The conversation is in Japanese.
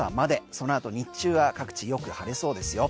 その後、日中は各地よく晴れそうですよ。